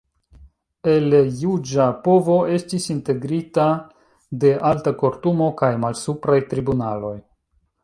El Juĝa Povo estis integrita de Alta Kortumo, kaj malsupraj tribunaloj.